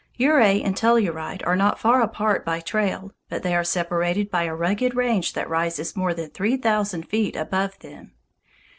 Ouray and Telluride are not far apart by trail, but they are separated by a rugged range that rises more than three thousand feet above them.